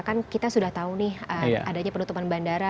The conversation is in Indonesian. kan kita sudah tahu nih adanya penutupan bandara